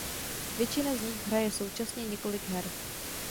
Většina z nich hraje současně několik her.